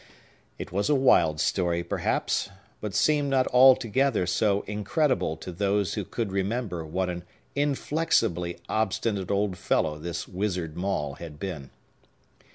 It was a wild story, perhaps, but seemed not altogether so incredible to those who could remember what an inflexibly obstinate old fellow this wizard Maule had been.